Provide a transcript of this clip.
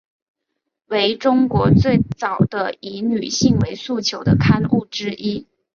为中国最早的以女性为诉求的刊物之一。